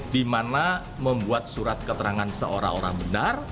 di mana membuat surat keterangan seorang orang benar